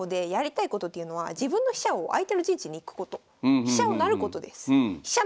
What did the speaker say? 飛車を成ることです。